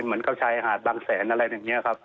เหมือนกับชายหาดบางแสนอะไรอย่างนี้ครับ